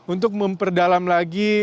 untuk memperdalam lagi